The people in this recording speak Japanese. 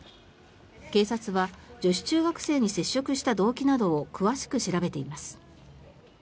警察は女子中学生に接触した動機などを詳しく調べています。